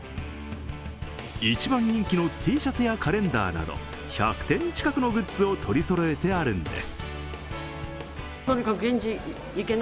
一番人気のＴシャツやカレンダーなど１００点近くのグッズを取りそろえてあるんです。